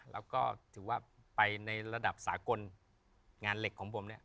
แล้วก็ถือว่าไปในระดับสากลงานเหล็กของผมเนี่ย